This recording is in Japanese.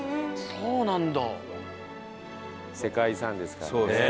そうなんだ。